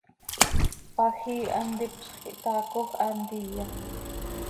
Pajii hant ipzx quih taacoj, haa ntiya.